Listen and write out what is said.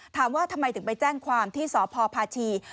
ถามว่าทำไมถึงไปแจ้งความที่สพพาชี